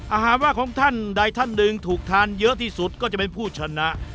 หากว่าของท่านใดท่านหนึ่งถูกทานเยอะที่สุดก็จะเป็นผู้ชนะ